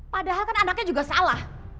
padahal kan anaknya juga salah